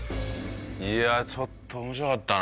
いやちょっと面白かったな。